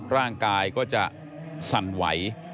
ร่างกายก็จะสั่นไหว